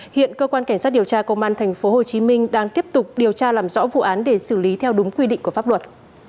hiện cơ quan cảnh sát điều tra công an tp hcm đang tiếp tục điều tra làm rõ vụ án để xử lý theo đúng quy định của pháp luật